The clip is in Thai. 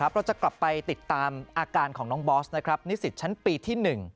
เราจะกลับไปติดตามอาการของน้องบอสนิสิตชั้นปีที่๑